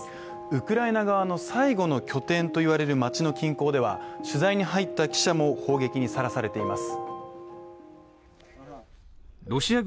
ウクライナ側の最後の拠点と言われる街の近郊では取材に入った記者も砲撃にさらされています。